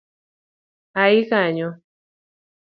Ai kanyo!